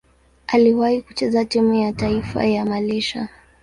Aliwahi kucheza timu ya taifa ya Malaysia.